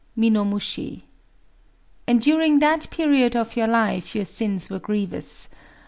(Mino mushi.) And during that period of your life, your sins were grievous.